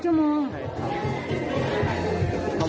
ใช่ครับ